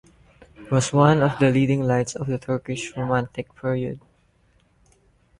He was one of the leading lights of the Turkish Romantic period.